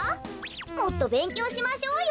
もっとべんきょうしましょうよ。